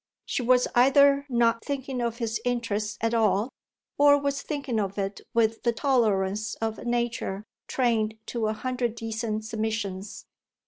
She was either not thinking of his interest at all, or was thinking of it with the tolerance of a nature trained to a hundred decent submissions.